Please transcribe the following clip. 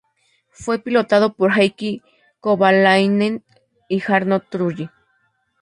Fue pilotado por Heikki Kovalainen y Jarno Trulli.